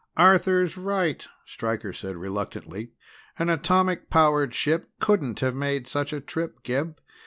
"Arthur's right," Stryker said reluctantly. "An atomic powered ship couldn't have made such a trip, Gib.